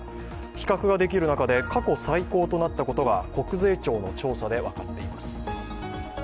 比較ができる中で過去最高となったことが国税庁の調査で分かっています。